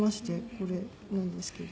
これなんですけど。